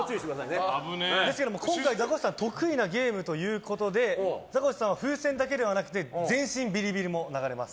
今回、ザコシさんが得意なゲームということでザコシさんは風船だけではなくて全身ビリビリも流れます。